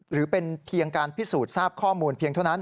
หรือเป็นเพียงการพิสูจน์ทราบข้อมูลเพียงเท่านั้น